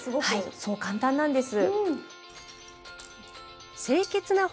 はいそう簡単なんです。